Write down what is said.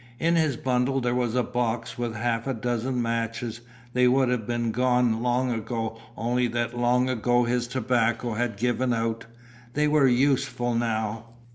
In his bundle there was a box with half a dozen matches, they would have been gone long ago only that long ago his tobacco had given out. They were useful now.